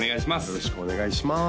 よろしくお願いします